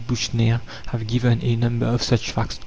Buchner have given a number of such facts.